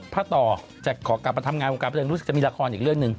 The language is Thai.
พระต่อจะขอกลับมาทำงานของพระเจนธุรกิจจะมีละครอีกเรื่องนึง